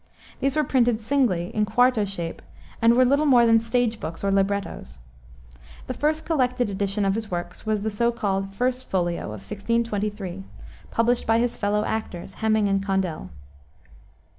These were printed singly, in quarto shape, and were little more than stage books, or librettos. The first collected edition of his works was the so called "First Folio" of 1623, published by his fellow actors, Heming and Condell.